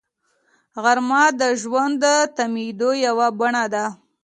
غرمه د ژوند د تمېدو یوه بڼه ده